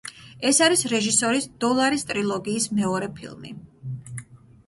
ეს არის რეჟისორის „დოლარის ტრილოგიის“ მეორე ფილმი.